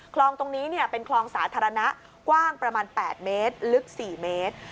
คลองตรงนี้เป็นคลองสาธารณะกว้างประมาณ๘เมตรลึก๔เมตร